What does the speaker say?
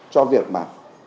cho việc mà